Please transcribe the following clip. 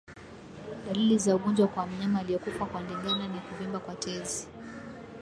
Dalili za ugonjwa kwa mnyama aliyekufa kwa ndigana ni kuvimba kwa tezi